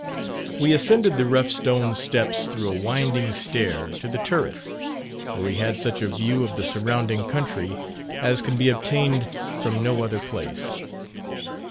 We ascended the rough stone steps through a winding stair to the turrets, where we had such a view of the surrounding country, as can be obtained from no other place.